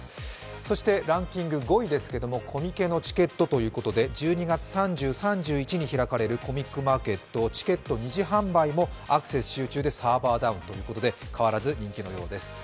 そしてランキング５位ですが、コミケのチケットということで、１２月３０、３１に開かれるコミックマーケット、チケット２次販売もアクセス集中でサーバーダウン、変わらず人気のようです。